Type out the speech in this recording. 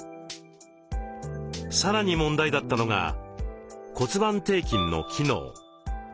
さらに問題だったのが骨盤底筋の機能。